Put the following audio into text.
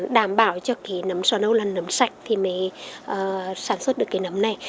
đảm bảo cho cái nấm sò nấu là nấm sạch thì mới sản xuất được cái nấm này